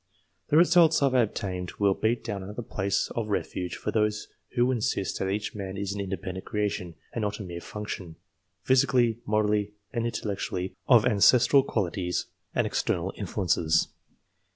The results I have obtained will beat down another place of refuge for those who insist that each man is an independent creation, and not a mere function, physically, morally, and intellectually, of ancestral quali ties and external influences.